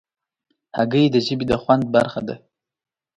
هګۍ د ژبې د خوند برخه ده.